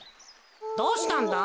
どうしたんだ？